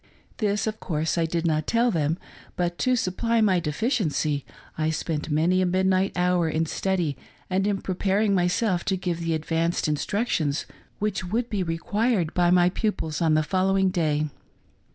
This, of course, I did not tell them ; but to supply my deficiency I ' spent many a midnight hour in study and in preparing myself to give the advanced instructions which would be required by my pupils on the following day.